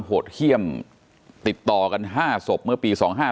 เป็นวันที่๑๕ธนวาคมแต่คุณผู้ชมค่ะกลายเป็นวันที่๑๕ธนวาคม